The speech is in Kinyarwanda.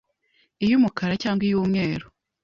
iy’umukara cyangwa iy’umweru